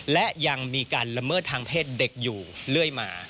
และยังมีการละเมิดทางเพศเด็กอยู่เรื่อยมา